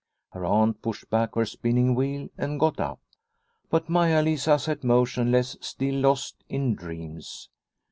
Her Aunt pushed back her spinning wheel and got up, but Maia Lisa sat motionless, still lost in dreams.